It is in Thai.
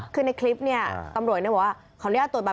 คือในคลิปเนี่ยตำรวจเนี่ยบอกว่า